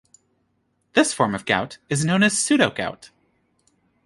This form of gout is known as pseudogout.